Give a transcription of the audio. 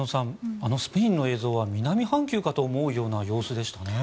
あのスペインの映像は南半球かと思うような映像でしたね。